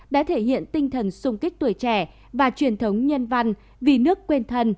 đã thể hiện tinh thần sung kích tuổi trẻ và truyền thống nhân văn vì nước quên thân